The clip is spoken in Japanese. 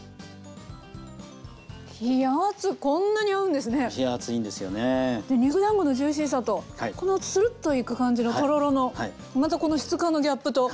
で肉だんごのジューシーさとこのつるっといく感じのとろろのまたこの質感のギャップと。